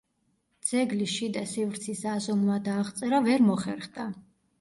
ძეგლის შიდა სივრცის აზომვა და აღწერა ვერ მოხერხდა.